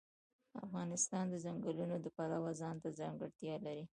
افغانستان د ځنګلونو د پلوه ځانته ځانګړتیا لري.